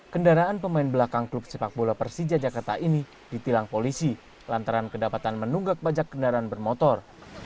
kendaraan pemain belakang klub sepak bola persija jakarta ini ditilang polisi lantaran kedapatan menunggak pajak kendaraan bermotor